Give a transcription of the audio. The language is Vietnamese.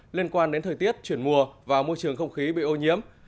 liên quan đến thời tiết chuyển mùa và môi trường không khí bị ô nhiễm